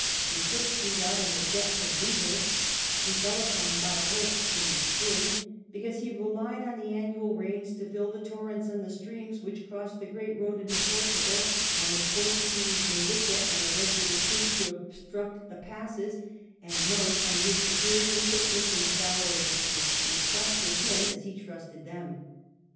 He took Ciudad in the depth of winter ; he fell upon Badajos in the spring, because he relied on the annual rains to fill the torrents and the streams which crossed the great road into Portugal, on the Portuguese militia and irregular troops to obstruct the passes, and most on his superior quickness and the valour of his troops, who trusted him as he trusted them.